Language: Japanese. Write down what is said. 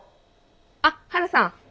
あっハルさん。